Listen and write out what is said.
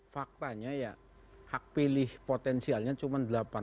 faktanya ya hak pilih potensialnya cuma delapan ratus enam belas